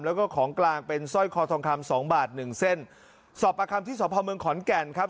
แล้วก็ของกลางเป็นสร้อยคอทองคำสองบาทหนึ่งเส้นสอบประคัมที่สพเมืองขอนแก่นครับ